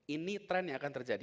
ini tren yang akan terjadi